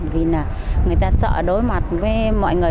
vì là người ta sợ đối mặt với mọi người